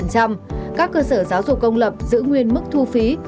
các cơ sở giáo dục công lập giữ nguyên mức thu phí